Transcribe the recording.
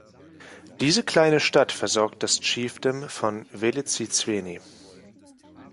Diese kleine Stadt versorgt das Chiefdom von Velezizweni.